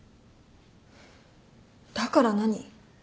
だから何？